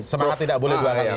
semangat tidak boleh dua kali